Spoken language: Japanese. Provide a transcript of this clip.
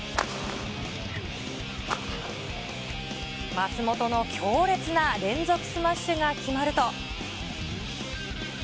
松本の強烈な連続スマッシュが決まると。